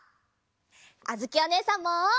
あづきおねえさんも。